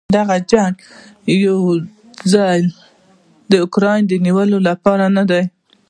دغه جنګ یواځې د اوکراین د نیولو لپاره نه دی.